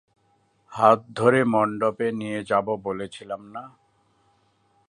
হাত ধরে মন্ডপে নিয়ে যাবো বলেছিলাম না?